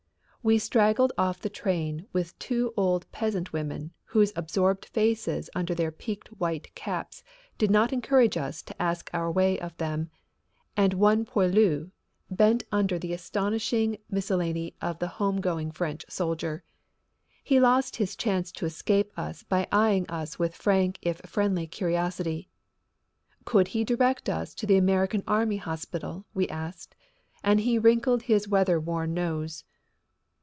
We straggled off the train with two old peasant women whose absorbed faces under their peaked white caps did not encourage us to ask our way of them, and one poilu, bent under the astonishing miscellany of the home going French soldier. He lost his chance to escape us by eyeing us with frank if friendly curiosity. Could he direct us to the American Army Hospital, we asked, and he wrinkled his weather worn nose.